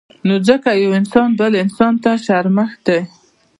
نو ځکه يو انسان بل انسان ته شرمښ دی